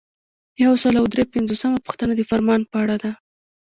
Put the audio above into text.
یو سل او درې پنځوسمه پوښتنه د فرمان په اړه ده.